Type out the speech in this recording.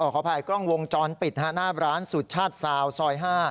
ขออภัยกล้องวงจรปิดหน้าร้านสุชาติซาวซอย๕